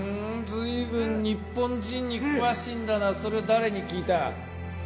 ずいぶん日本人に詳しいんだなそれ誰に聞いた？